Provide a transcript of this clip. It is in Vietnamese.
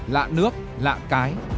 lạ nước lạ cái